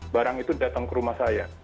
barang itu datang ke rumah saya